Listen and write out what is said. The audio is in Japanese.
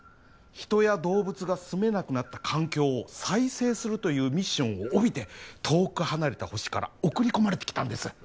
人や動物が住めなくなった環境を再生するというミッションを帯びて遠く離れた星から送り込まれてきたんです